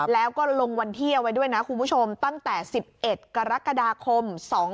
แล้วก็ลงวันที่เอาไว้ด้วยนะคุณผู้ชมตั้งแต่๑๑กรกฎาคม๒๕๖